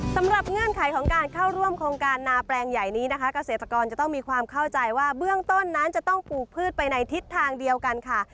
เงื่อนไขของการเข้าร่วมโครงการนาแปลงใหญ่นี้นะคะเกษตรกรจะต้องมีความเข้าใจว่าเบื้องต้นนั้นจะต้องปลูกพืชไปในทิศทางเดียวกันค่ะ